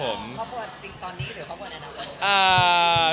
ครอบครัวจริงตอนนี้เหลือครอบครัวในอนาคต